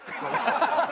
ハハハハ！